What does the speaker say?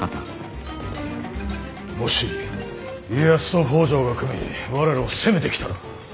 もし家康と北条が組み我らを攻めてきたら。